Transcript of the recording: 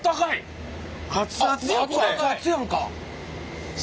アツアツやんか！